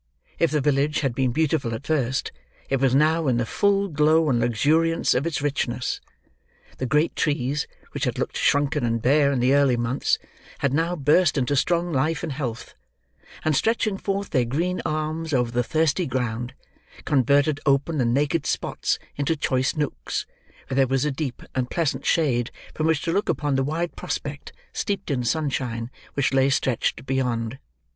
If the village had been beautiful at first it was now in the full glow and luxuriance of its richness. The great trees, which had looked shrunken and bare in the earlier months, had now burst into strong life and health; and stretching forth their green arms over the thirsty ground, converted open and naked spots into choice nooks, where was a deep and pleasant shade from which to look upon the wide prospect, steeped in sunshine, which lay stretched beyond.